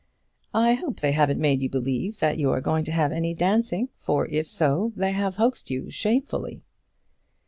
"I hope they haven't made you believe that you are going to have any dancing, for, if so, they have hoaxed you shamefully."